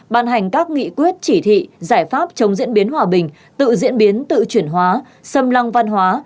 ban hành các nghị quyết chỉ thị giải pháp chống diễn biến hòa bình tự diễn biến tự chuyển hóa xâm lăng văn hóa